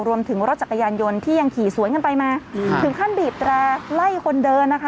รวมถึงรถจักรยานยนต์ที่ยังขี่สวนกันไปมาถึงขั้นบีบแตร่ไล่คนเดินนะคะ